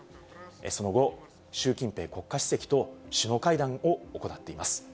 その後、習近平国家主席と首脳会談を行っています。